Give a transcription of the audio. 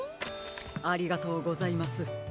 ありがとうございます。